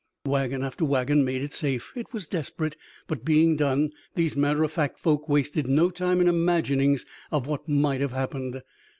Wagon after wagon made it safe. It was desperate, but, being done, these matter of fact folk wasted no time in imaginings of what might have happened.